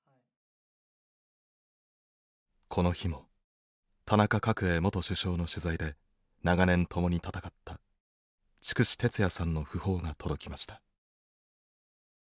この日も田中角栄元首相の取材で長年共に闘った筑紫哲也さんの訃報が届きました。